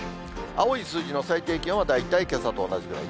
青い数字の最低気温は大体けさと同じぐらい。